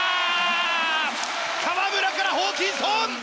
河村からホーキンソン！